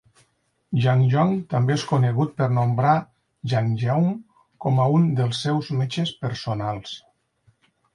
Jungjong també és conegut per nombrar Jang Geum com a un dels seus metges personals.